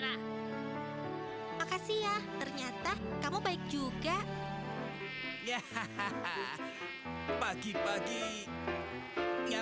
akhirnya ketemu juga